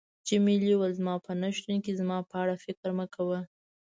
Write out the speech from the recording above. جميلې وويل: زما په نه شتون کې زما په اړه فکر مه کوه.